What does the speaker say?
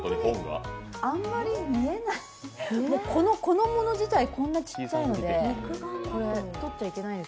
あんまり見えないこのもの自体、こんなちっちゃいので。